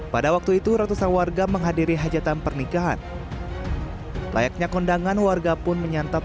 pada waktu itu ratusan warga menghadiri hajatan pernikahan layaknya kondangan warga pun menyantap